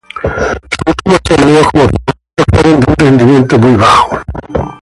Sus últimos torneos como futbolista fueron de un rendimiento muy bajo.